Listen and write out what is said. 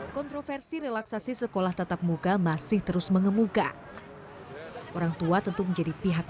kontroversi relaksasi sekolah tatap muka masih terus mengemuka orang tua tentu menjadi pihak